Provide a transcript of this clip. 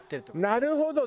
なるほど。